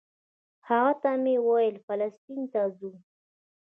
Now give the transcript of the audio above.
هغه ته مې ویل فلسطین ته ځو.